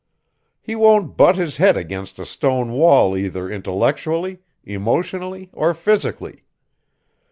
He won't butt his head against a stone wall either intellectually, emotionally, or physically.